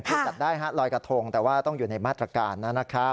คือจัดได้ฮะลอยกระทงแต่ว่าต้องอยู่ในมาตรการนะครับ